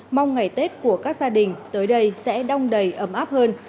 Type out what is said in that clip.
mong ngày tết của các gia đình tới đây sẽ đong đầy ấm áp hơn